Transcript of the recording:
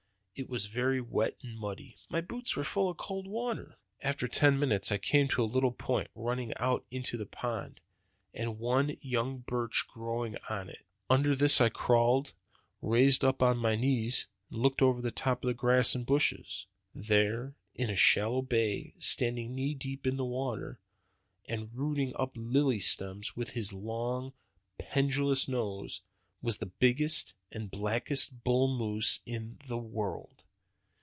It was very wet and muddy. My boots were full of cold water. After ten minutes I came to a little point running out into the pond, and one young birch growing on it. Under this I crawled, and rising up on my knees looked over the top of the grass and bushes. "There, in a shallow bay, standing knee deep in the water, and rooting up the lily stems with his long, pendulous nose, was the biggest and blackest bull moose in the world.